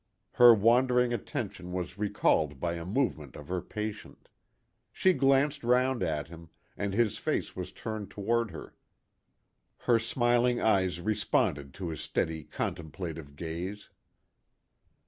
Her wandering attention was recalled by a movement of her patient. She glanced round at him, and his face was turned toward her. Her smiling eyes responded to his steady, contemplative gaze.